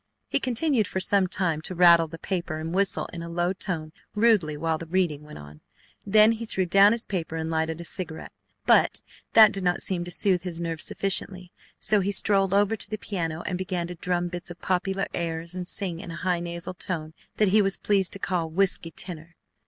He continued for sometime to rattle the paper and whistle in a low tone rudely while the reading went on, then he threw down his paper and lighted a cigarette. But that did not seem to soothe his nerves sufficiently, so he strolled over to the piano and began to drum bits of popular airs and sing in a high nasal tone that he was pleased to call "whiskey tenor."